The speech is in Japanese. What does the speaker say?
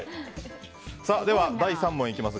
では第３問にいきます。